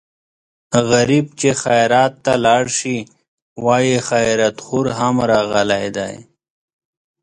غریب چې خیرات ته لاړ شي وايي خیراتخور خو هم راغلی دی.